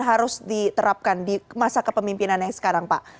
harus diterapkan di masa kepemimpinan yang sekarang pak